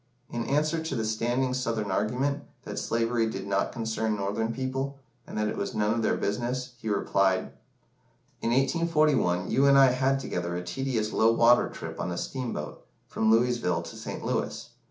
In answer to the standing Southern argument, that slavery did not concern Northern people, and that it was none of their business, he replied "In 1841, you and I had together a tedious low water trip on a steamboat, from Louisville to St. Louis.